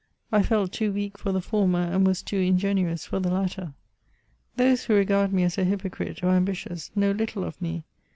I felt too weak for the former, and was too ingenuous for the latter. Those who regard me as a hypocrite, or ambi tious, know Uttle of me.